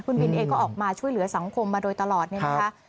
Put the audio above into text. คุณบินเองก็ออกมาช่วยเหลือสังคมมาโดยตลอดเนี่ยนะคะ